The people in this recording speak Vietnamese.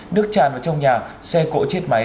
nước tràn vào trong nhà xe cỗ chết máy